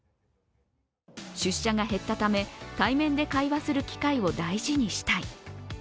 出社が減ったため対面で会話する機会を大事にしたい。